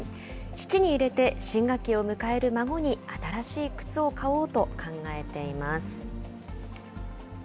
質に入れて新学期を迎える孫に、新しい靴を買おうと考えています。